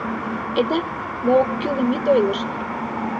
— Айда, мо оккӱлым ит ойлышт!